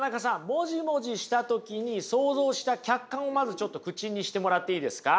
モジモジした時に想像した客観をまずちょっと口にしてもらっていいですか？